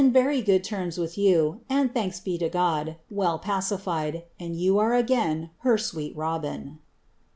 ^ *eiy good terms with you, aad, thanks be lo God, well pacified, ■re again her sweet Itobin."